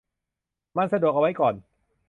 มันสะดวกเอาไว้ก่อน